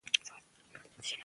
د ماشوم د ستوني غږ ته پام وکړئ.